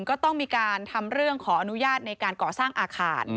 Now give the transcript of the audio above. ก็ต้องมีการทำเรื่องขออนุญาตในการก่อสร้างอาคาร